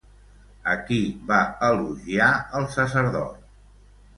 A qui va elogiar el sacerdot?